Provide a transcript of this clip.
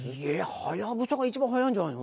はやぶさが一番速いんじゃないの？